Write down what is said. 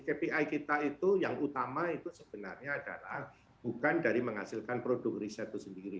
kpi kita itu yang utama itu sebenarnya adalah bukan dari menghasilkan produk riset itu sendiri